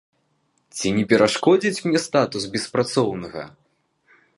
Ці не перашкодзіць мне статус беспрацоўнага?